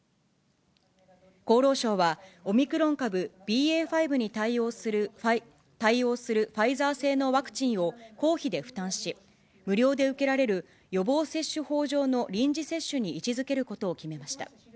厚労省は、オミクロン株ＢＡ．５に対応するファイザー製のワクチンを、公費で負担し、無料で受けられる予防接種法上の臨時接種に位置づけることを決めました。